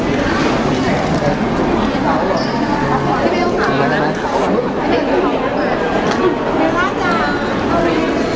ต้องให้พี่อาฟตัว